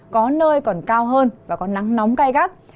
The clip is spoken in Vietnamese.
có nơi còn cao hơn và có nắng nóng gai gắt